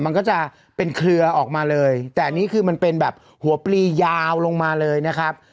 มันก็จะเป็นเครือออกมาเลยแต่อันนี้คือมันเป็นแบบหัวปลียาวลงมาเลยนะครับ